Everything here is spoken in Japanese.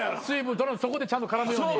そこでちゃんと絡むように。